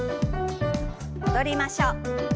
戻りましょう。